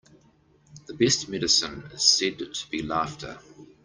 The best medicine is said to be laughter.